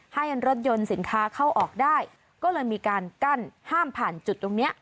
ให้รถยนต์สินค้าเข้าออกได้ก็เลยมีการกั้นห้ามผ่านจุดตรงนี้